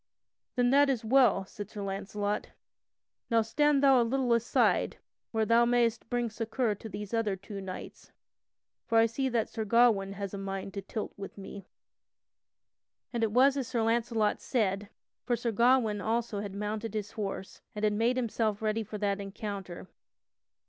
"Then that is well," said Sir Launcelot. "Now stand thou a little aside where thou mayst bring succor unto these other two knights, for I see that Sir Gawain has a mind to tilt with me." [Sidenote: Sir Gawain fails with Sir Launcelot] And it was as Sir Launcelot said, for Sir Gawain also had mounted his horse and had made himself ready for that encounter.